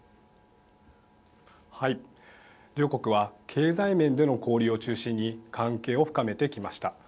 両国は経済面での交流を中心に関係を深めてきました。